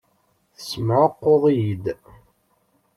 Tessemɛuqquḍ-iyi-d.